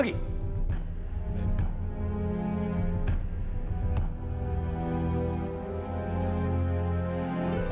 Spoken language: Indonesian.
terima kasih pak